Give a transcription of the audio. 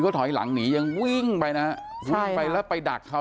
ถอยหลังหนียังวิ่งไปนะวิ่งไปแล้วไปดักเขา